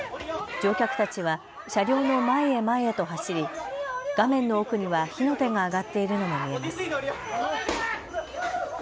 乗客たちは車両の前へ前へと走り画面の奧には火の手が上がっているのも見えます。